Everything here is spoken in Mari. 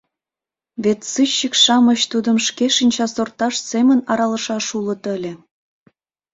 Вет сыщик-шамыч тудым шке шинчасорташт семын аралышаш улыт ыле.